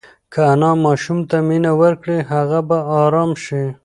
که انا ماشوم ته مینه ورکړي، هغه به ارام شي.